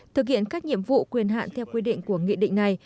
thực hiện các nhiệm vụ quyền hạn theo quy định của nghị định này